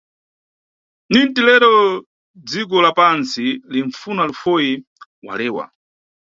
"Ninti lero, dziko la pantsi linfuna lufoyi", walewa.